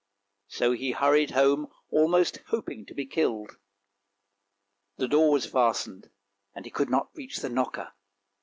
So he hurried home almost hoping to be killed. The door was fastened, and he could not reach the knocker.